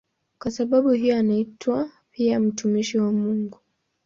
Kwa sababu hiyo anaitwa pia "mtumishi wa Mungu".